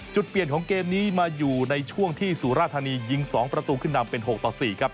จุดเปลี่ยนของเกมนี้มาอยู่ในช่วงที่สุราธานียิง๒ประตูขึ้นนำเป็น๖ต่อ๔ครับ